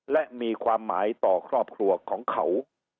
และมีความหมายต่อครอบครัวของเขา